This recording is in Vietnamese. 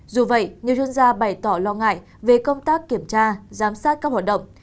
dù vậy nhiều chuyên gia bày tỏ lo ngại về công tác kiểm tra giám sát các hoạt động